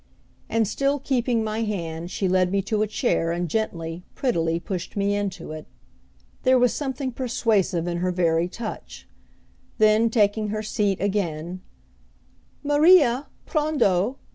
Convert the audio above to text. And still keeping my hand she led me to a chair and gently, prettily pushed me into it. There was something persuasive in her very touch. Then, taking her seat again, "Maria, prondo!"